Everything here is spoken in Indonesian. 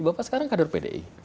bapak sekarang kader pdi